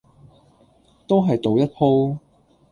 都係賭一鋪